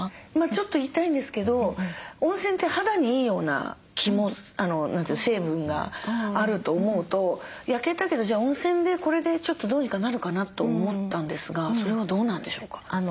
ちょっと痛いんですけど温泉って肌にいいような気も成分があると思うと焼けたけどじゃあ温泉でこれでちょっとどうにかなるかなと思ったんですがそれはどうなんでしょうか？